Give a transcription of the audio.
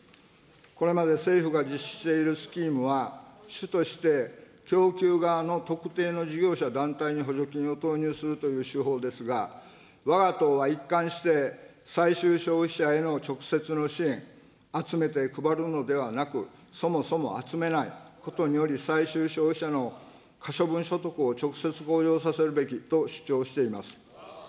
これまで政府が実施しているスキームは、主として供給側の特定の事業者、団体に補助金を投入するという手法ですが、わが党は一貫して、最終消費者への直接の支援、集めて配るのではなく、そもそも集めないことにより、最終消費者の可処分所得を直接向上させるべきと主張しています。